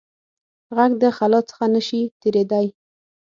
غږ د خلا څخه نه شي تېرېدای.